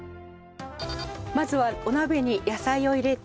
まずはお鍋に野菜を入れて。